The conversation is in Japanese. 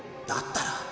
だったら。